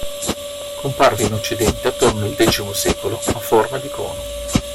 Comparve in occidente attorno al X secolo a forma di cono.